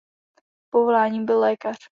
Povoláním byl lékař.